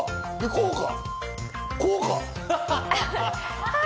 こうか？